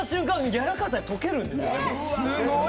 やわらかさで溶けるんですよ。